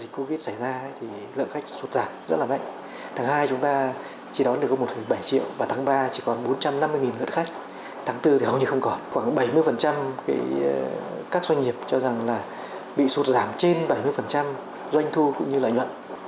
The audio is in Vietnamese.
quảng bảy mươi các doanh nghiệp cho rằng là bị sụt giảm trên bảy mươi doanh thu cũng như lợi nhuận